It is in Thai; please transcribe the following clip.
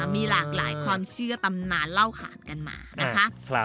มีหลากหลายความเชื่อตำนานเล่าขานกันมานะคะ